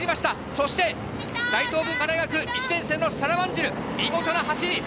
そして大東文化大学、１年生のサラ・ワンジル、見事な走り！